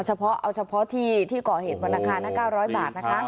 เอาเฉพาะที่ก่อเหตุมานะคะนัก๙๐๐บาทนะคะ